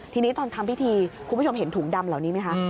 ทีนี้ตอนทำพิธีคุณผู้ชมเห็นถุงดำเหล่านี้ไหมคะ